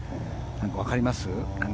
わかります？